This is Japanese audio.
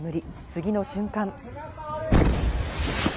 次の瞬間。